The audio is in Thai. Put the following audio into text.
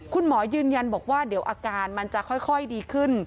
คุณหมอยืนยันบอกว่าเดี๋ยวอาการมันจะค่อยดีขึ้น